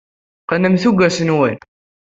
Qqnem tuggas-nwen.